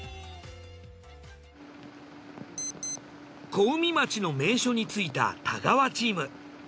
小海町の名所に着いた太川チーム。